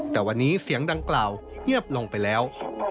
แต่วันนี้เสียงดังกล่าวเงียบลงไปแล้ว